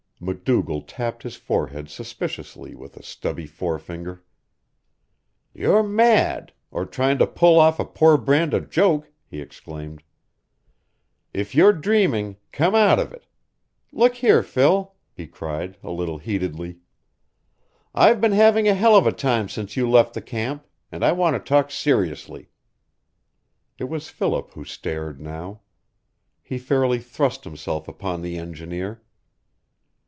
"MacDougall tapped his forehead suspiciously with a stubby forefinger. "You're mad or trying to pull off a poor brand of joke!" he exclaimed. "If you're dreaming, come out of it. Look here, Phil," he cried, a little heatedly, "I've been having a hell of a time since you left the camp, and I want to talk seriously." It was Philip who stared now. He fairly thrust himself upon the engineer.